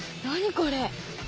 何これ！？